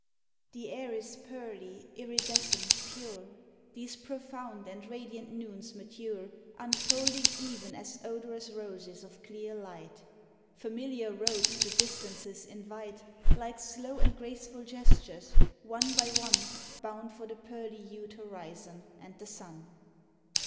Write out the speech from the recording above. The air is pearly, iridescent, pure; These profound and radiant noons mature, Unfolding even as odorous roses of clear light; Familiar roads to distances invite Like slow and graceful gestures, one by one Bound for the pearly hued horizon and the sun.